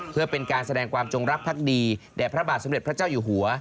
เพื่อเป็นการแสดงความจงรักภักดีแด่พระบาทสมเด็จพระเจ้าอยู่หัว